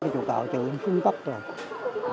chùa cầu chưa xuống tấp rồi